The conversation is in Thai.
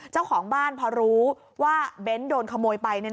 เจ้าของบ้านพอรู้ว่าเบ้นโดนขโมยไป